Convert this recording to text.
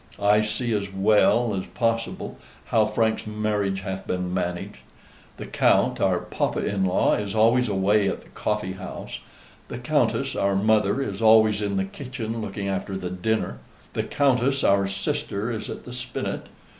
I see as well as possible how Frank's marriage hath been managed. The Count, our papa in law, is always away at the coffee house. The Countess, our mother, is always in the kitchen looking after the dinner. The Countess, our sister, is at the spinet.